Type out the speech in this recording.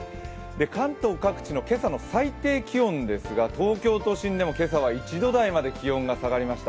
関東各地の今朝の最低気温ですが、東京都心でも今朝は１度台まで気温が下がりました。